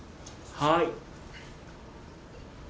はい。